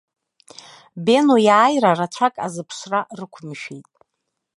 Бено иааира рацәак азыԥшра рықәымшәеит.